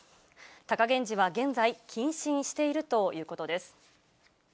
貴源治は現在、謹慎しているということです。